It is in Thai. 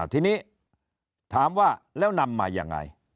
ทีนี้ถามว่าแล้วนำมายังไง